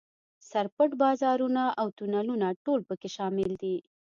سر پټ بازارونه او تونلونه ټول په کې شامل دي.